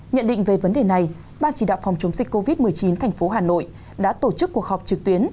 nhận định về vấn đề này ban chỉ đạo phòng chống dịch covid một mươi chín thành phố hà nội đã tổ chức cuộc họp trực tuyến